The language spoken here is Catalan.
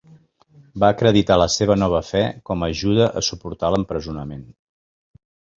Va acreditar la seva nova fe com ajuda a suportar l'empresonament.